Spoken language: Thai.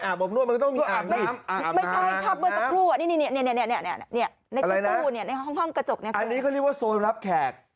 อันนี้ก็เรียกว่าโซนรับแขก